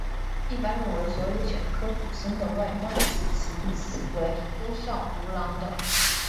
一般认为所有犬科祖先的外观及行为都像胡狼的。